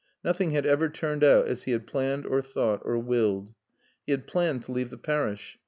Nothing had ever turned out as he had planned or thought or willed. He had planned to leave the parish.